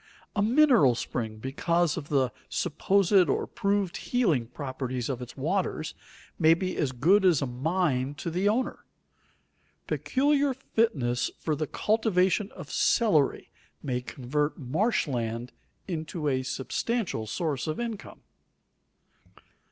A mineral spring, because of the supposed or proved healing properties of its waters, may be as good as a mine to the owner. Peculiar fitness for the cultivation of celery may convert marsh land into a substantial source of income.